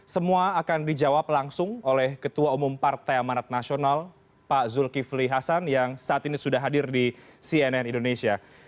semua akan dijawab langsung oleh ketua umum partai amanat nasional pak zulkifli hasan yang saat ini sudah hadir di cnn indonesia